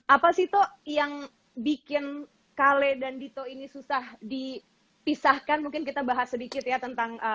apa sih tok yang bikin kale dan dito ini susah dipisahkan mungkin kita bahas sedikit ya tentang